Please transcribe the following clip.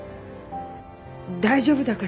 大丈夫だから。